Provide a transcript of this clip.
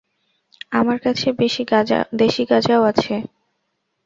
আমার কাছে দেশি গাঁজাও আছে।